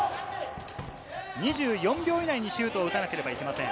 ２４秒以内にシュートを打たなければいけません。